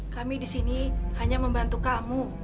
kami di sini hanya membantu kamu